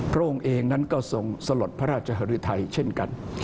พระองค์เองนั้นก็ทรงสลดพระราชหรือไทยเช่นกัน